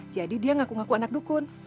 jadi dia ngaku ngaku anak dukun